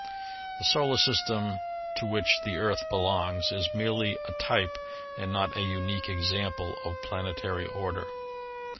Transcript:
The Solar System to which the Earth belongs is merely a type and not a unique example of planetary order.